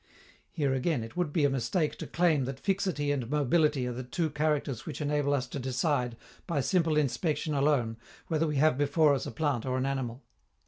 Here, again, it would be a mistake to claim that fixity and mobility are the two characters which enable us to decide, by simple inspection alone, whether we have before us a plant or an animal.